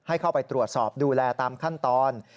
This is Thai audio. เข้าไปตรวจสอบดูแลตามขั้นตอน